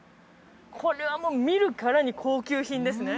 これはもう見るからに高級品ですね